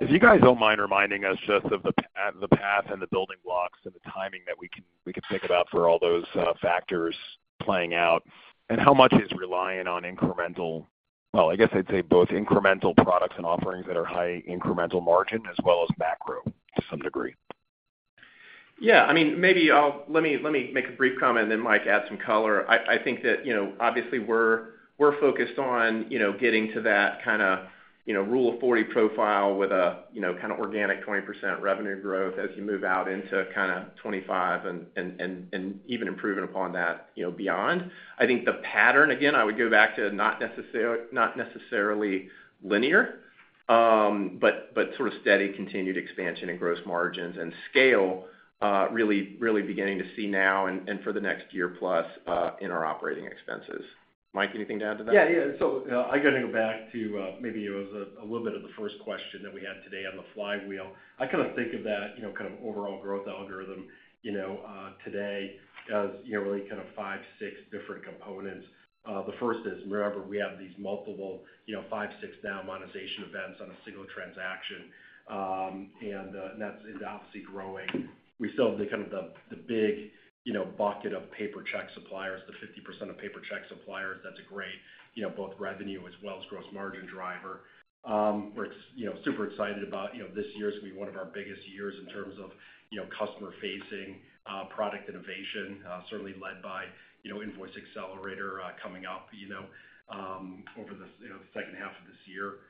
If you guys don't mind reminding us just of the path and the building blocks and the timing that we can, we can think about for all those factors playing out, and how much is reliant on incremental. Well, I guess I'd say both incremental products and offerings that are high incremental margin, as well as macro, to some degree. Yeah, I mean, maybe I'll let me, let me make a brief comment, then Mike, add some color. I, I think that, you know, obviously, we're, we're focused on, you know, getting to that kind of, you know, Rule of 40 profile with a, you know, kind of organic 20% revenue growth as you move out into kind of 2025 and, and, and, and even improving upon that, you know, beyond. I think the pattern, again, I would go back to not necessarily linear, but, but sort of steady, continued expansion in gross margins and scale, really, really beginning to see now and, and for the next year plus, in our operating expenses. Mike, anything to add to that? Yeah, yeah. I gotta go back to maybe it was a little bit of the first question that we had today on the flywheel. I kind of think of that, you know, kind of overall growth algorithm, you know, today as, you know, really kind of five, six different components. The first is, remember, we have these multiple, you know, five, six now monetization events on a single transaction. That's, and obviously growing. We still have the kind of the, the big, you know, bucket of paper check suppliers, the 50% of paper check suppliers. That's a great, you know, both revenue as well as gross margin driver. We're, you know, super excited about, you know, this year is gonna be one of our biggest years in terms of, you know, customer-facing product innovation, certainly led by, you know, Invoice Accelerator, coming up, you know, over this, you know, the second half of this year.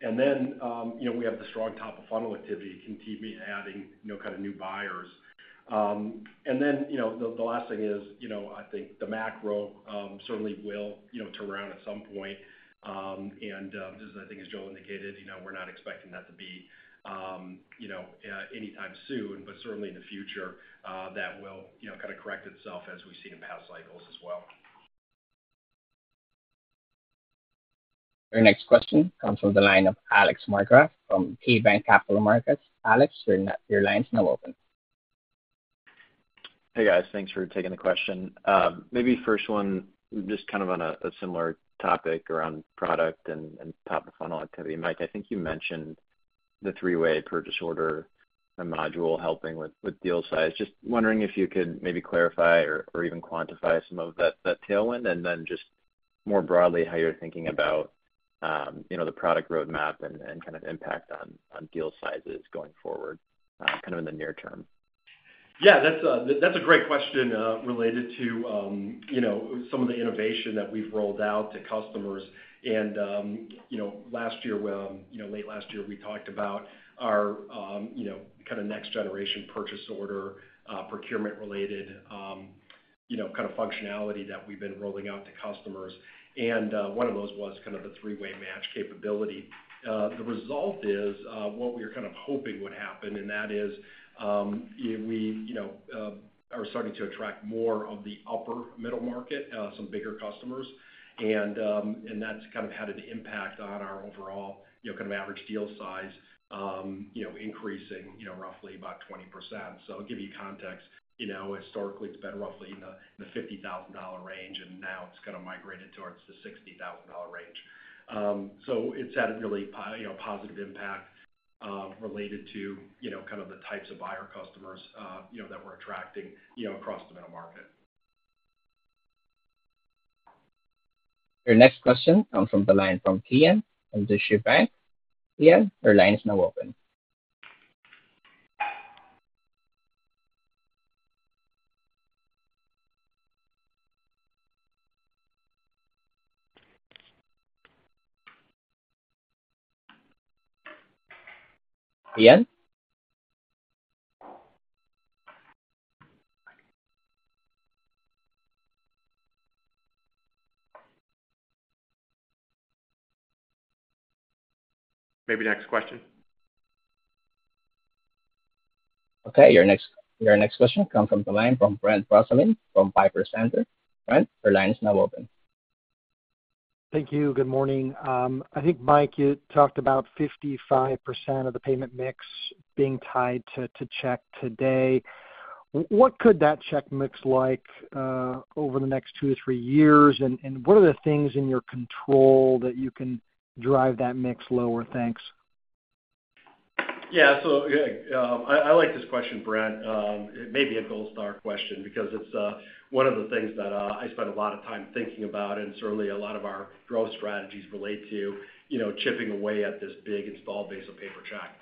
Then, you know, we have the strong top-of-funnel activity, continuing to be adding, you know, kind of new buyers. Then, you know, the, the last thing is, you know, I think the macro certainly will, you know, turn around at some point. Just I think as Joel indicated, you know, we're not expecting that to be, you know, anytime soon, but certainly in the future, that will, you know, kind of correct itself as we've seen in past cycles as well. Your next question comes from the line of Alex Markgraff from KeyBanc Capital Markets. Alex, your line is now open. Hey, guys. Thanks for taking the question. Maybe first one, just kind of on a similar topic around product and top-of-funnel activity. Mike, I think you mentioned the three-way purchase order, the module helping with deal size. Just wondering if you could maybe clarify or even quantify some of that tailwind, and then just more broadly, how you're thinking about, you know, the product roadmap and kind of impact on deal sizes going forward, kind of in the near term? Yeah, that's a, that's a great question, related to, you know, some of the innovation that we've rolled out to customers. You know, last year, well, you know, late last year, we talked about our, you know, kind of next generation purchase order, procurement-related, you know, kind of functionality that we've been rolling out to customers. One of those was kind of the three-way match capability. The result is, what we were kind of hoping would happen, and that is, we, you know, are starting to attract more of the upper middle market, some bigger customers. That's kind of had an impact on our overall, you know, kind of average deal size, you know, increasing, you know, roughly about 20%. to give you context, you know, historically, it's been roughly in the, the $50,000 range, and now it's kind of migrated towards the $60,000 range. It's had a really you know, positive impact, related to, you know, kind of the types of buyer customers, you know, that we're attracting, you know, across the middle market. Your next question comes from the line from Tian from the Deutsche Bank. Tian, your line is now open. Tian? Maybe next question. Okay, your next, your next question comes from the line from Brent Bracelin from Piper Sandler. Brent, your line is now open. Thank you. Good morning. I think, Mike, you talked about 55% of the payment mix being tied to, to check today. What could that check mix like over the next two to three years? What are the things in your control that you can drive that mix lower? Thanks. Yeah. I, I like this question, Brent. It may be a gold star question because it's one of the things that I spend a lot of time thinking about, and certainly a lot of our growth strategies relate to, you know, chipping away at this big installed base of paper check.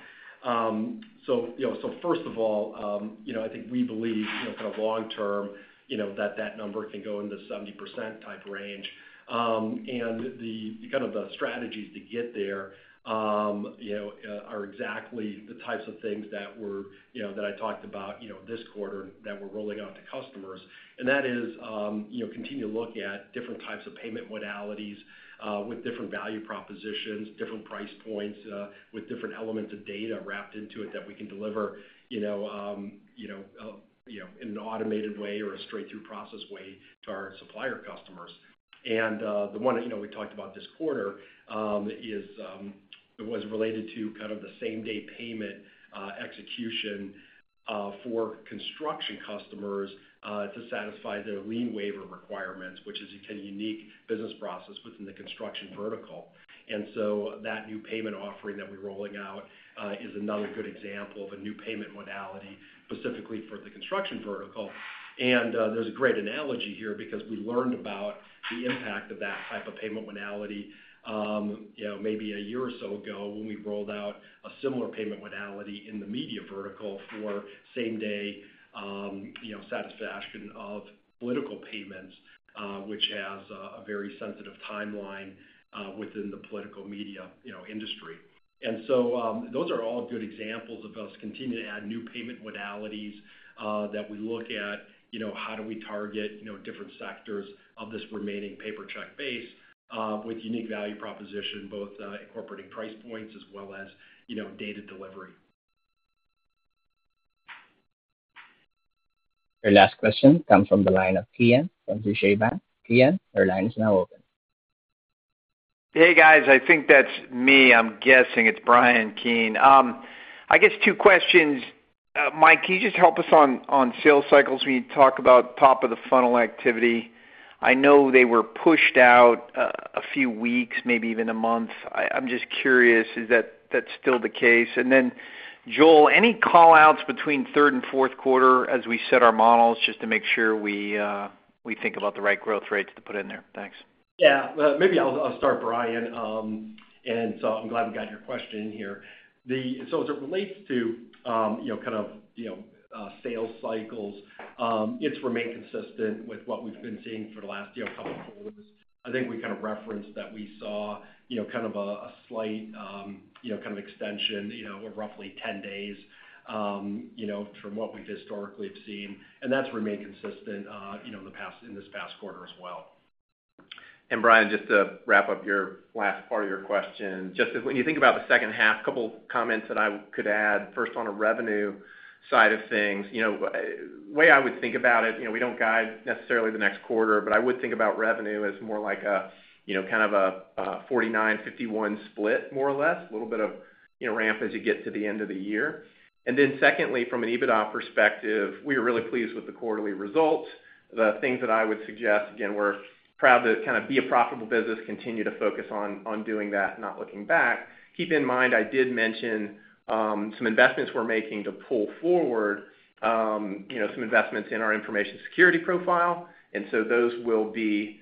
First of all, you know, I think we believe, you know, kind of long term, you know, that that number can go into 70% type range. The kind of the strategies to get there, you know, are exactly the types of things that were, you know, that I talked about, you know, this quarter that we're rolling out to customers. That is, you know, continue to look at different types of payment modalities, with different value propositions, different price points, with different elements of data wrapped into it that we can deliver, you know, you know, you know, in an automated way or a straight-through process way to our supplier customers. The one, you know, we talked about this quarter, is it was related to kind of the same-day payment execution for construction customers to satisfy their lien waiver requirements, which is a kind of unique business process within the construction vertical. So that new payment offering that we're rolling out, is another good example of a new payment modality, specifically for the construction vertical. There's a great analogy here, because we learned about the impact of that type of payment modality, you know, maybe a year or so ago when we rolled out a similar payment modality in the media vertical for same day, you know, satisfaction of political payments, which has a very sensitive timeline within the political media, you know, industry. So, those are all good examples of us continuing to add new payment modalities that we look at, you know, how do we target, you know, different sectors of this remaining paper check base with unique value proposition, both incorporating price points as well as, you know, data delivery. Your last question comes from the line of Bryan Keane from Deutsche Bank. Bryan, your line is now open. Hey, guys, I think that's me. I'm guessing it's Bryan Keane. I guess two questions. Mike, can you just help us on, on sales cycles when you talk about top of the funnel activity? I know they were pushed out, a few weeks, maybe even a month. I'm just curious, is that, that's still the case? Then, Joel, any call-outs between third and Q4 as we set our models, just to make sure we think about the right growth rates to put in there? Thanks. Yeah. Well, maybe I'll, I'll start, Bryan. I'm glad we got your question in here. As it relates to, you know, kind of, you know, sales cycles, it's remained consistent with what we've been seeing for the last, you know, couple of quarters. I think we kind of referenced that we saw, you know, kind of a, a slight, you know, kind of extension, you know, of roughly 10 days, you know, from what we historically have seen, and that's remained consistent, you know, in this past quarter as well. Bryan, just to wrap up your last part of your question, just as when you think about the second half, couple comments that I could add. First, on a revenue side of things, you know, way I would think about it, you know, we don't guide necessarily the next quarter, but I would think about revenue as more like a, you know, kind of a 49/51 split, more or less. A little bit of, you know, ramp as you get to the end of the year. Secondly, from an EBITDA perspective, we are really pleased with the quarterly results. The things that I would suggest, again, we're proud to kind of be a profitable business, continue to focus on, on doing that, not looking back. Keep in mind, I did mention, some investments we're making to pull forward, you know, some investments in our information security profile, and so those will be,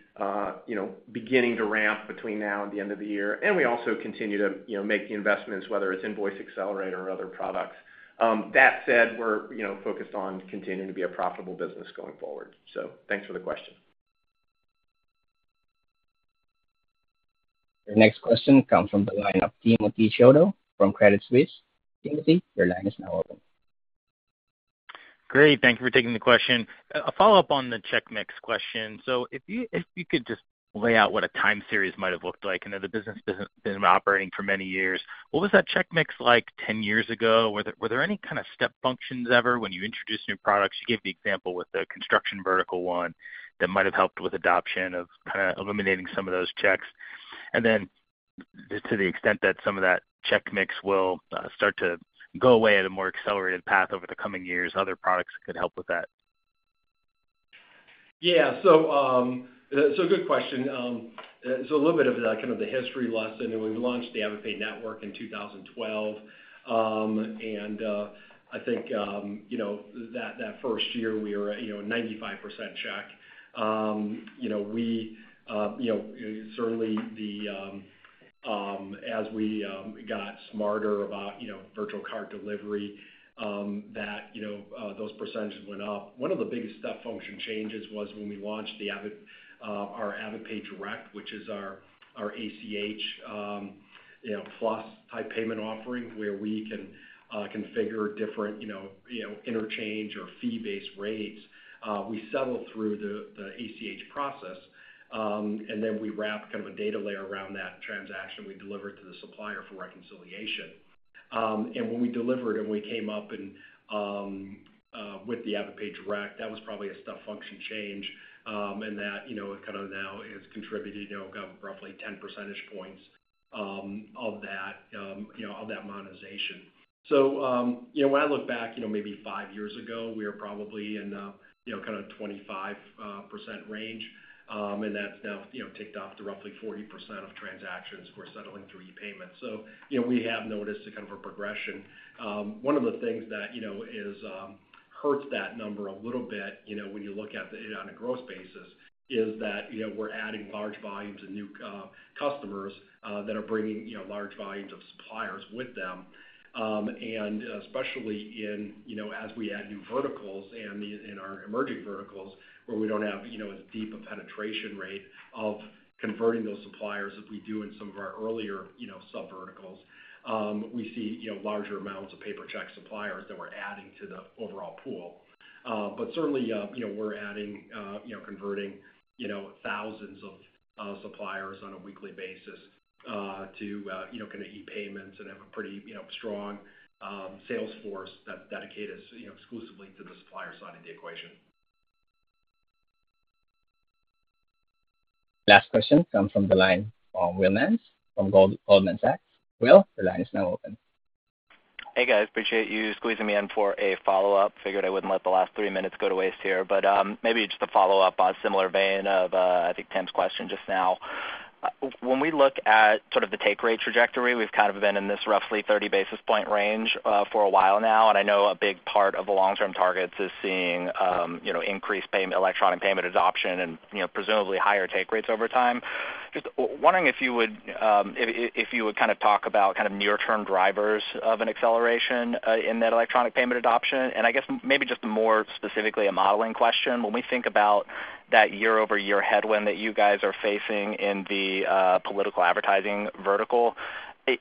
you know, beginning to ramp between now and the end of the year. We also continue to, you know, make the investments, whether it's Invoice Accelerator or other products. That said, we're, you know, focused on continuing to be a profitable business going forward. Thanks for the question. Your next question comes from the line of Timothy Chiodo from Credit Suisse. Timothy, your line is now open. Great, thank you for taking the question. A follow-up on the check mix question. If you, if you could just lay out what a time series might have looked like. I know the business has been operating for many years. What was that check mix like 10 years ago? Were there, were there any kind of step functions ever when you introduced new products? You gave the example with the construction vertical one that might have helped with adoption of kind of eliminating some of those checks. To the extent that some of that check mix will start to go away at a more accelerated path over the coming years, other products could help with that. Yeah. So, so good question. So a little bit of the, kind of the history lesson, we launched the AvidPay Network in 2012. I think, you know, that, that first year we were, you know, 95% check. You know, we, you know, certainly the, as we got smarter about, you know, virtual card delivery, that, you know, those percentages went up. One of the biggest step function changes was when we launched the Avid, our AvidPay Direct, which is our, our ACH, you know, plus type payment offering, where we can configure different, you know, interchange or fee-based rates. We settle through the ACH process, and then we wrap kind of a data layer around that transaction we deliver to the supplier for reconciliation. When we delivered and we came up and with the AvidRecon, that was probably a step function change, and that, you know, kind of now is contributing, you know, kind of roughly 10 percentage points of that, you know, of that monetization. When I look back, you know, maybe five years ago, we were probably in a, you know, kind of 25% range, and that's now, you know, ticked off to roughly 40% of transactions we're settling through ePayment. We have noticed a kind of a progression. One of the things that, you know, hurts that number a little bit, you know, when you look at it on a growth basis, is that, you know, we're adding large volumes of new customers that are bringing, you know, large volumes of suppliers with them. Especially in, you know, as we add new verticals and in our emerging verticals, where we don't have, you know, as deep a penetration rate of converting those suppliers as we do in some of our earlier, you know, sub verticals, we see, you know, larger amounts of paper check suppliers that we're adding to the overall pool. Certainly, you know, we're adding, you know, converting, you know, thousands of suppliers on a weekly basis, to, you know, kind of ePayments and have a pretty, you know, strong sales force that's dedicated, you know, exclusively to the supplier side of the equation. Last question comes from the line from Will Nance, from Goldman Sachs. Will, the line is now open. Hey, guys, appreciate you squeezing me in for a follow-up. Figured I wouldn't let the last three minutes go to waste here, but maybe just a follow-up on a similar vein of I think Tim's question just now. When we look at sort of the take rate trajectory, we've kind of been in this roughly 30 basis point range for a while now, and I know a big part of the long-term targets is seeing, you know, increased payment, electronic payment adoption and, you know, presumably higher take rates over time. Just wondering if you would, if, if you would kind of talk about kind of near-term drivers of an acceleration in that electronic payment adoption, and I guess maybe just more specifically, a modeling question. When we think about that year-over-year headwind that you guys are facing in the political advertising vertical,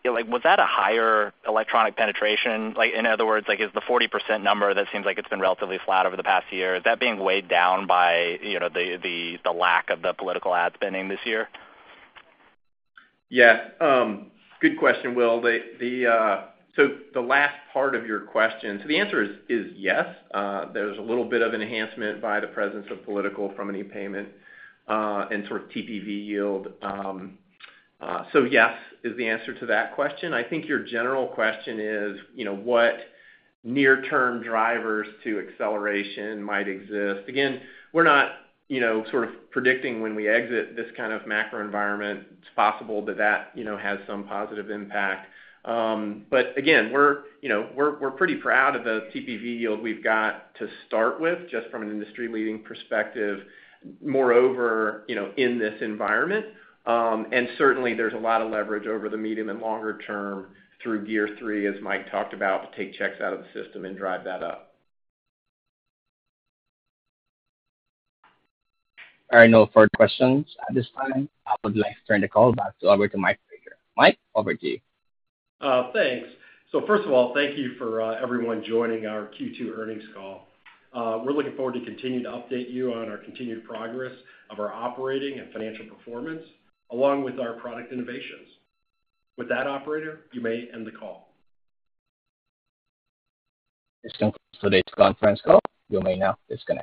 like, was that a higher electronic penetration? Like, in other words, like, is the 40% number that seems like it's been relatively flat over the past year, is that being weighed down by, you know, the, the, the lack of the political ad spending this year? Yeah, good question, Will. The, the, the last part of your question. The answer is, is yes, there's a little bit of an enhancement by the presence of political from an ePayment, and sort of TPV yield. Yes, is the answer to that question. I think your general question is, you know, what near-term drivers to acceleration might exist? Again, we're not, you know, sort of predicting when we exit this kind of macro environment. It's possible that that, you know, has some positive impact. Again, we're, you know, we're, we're pretty proud of the TPV yield we've got to start with, just from an industry-leading perspective. Moreover, you know, in this environment, and certainly there's a lot of leverage over the medium and longer term through year three, as Mike talked about, to take checks out of the system and drive that up. All right, no further questions at this time. I would like to turn the call back over to Michael Praeger. Mike, over to you. Thanks. First of all, thank you for everyone joining our Q2 earnings call. We're looking forward to continuing to update you on our continued progress of our operating and financial performance, along with our product innovations. With that, operator, you may end the call. This concludes today's conference call. You may now disconnect.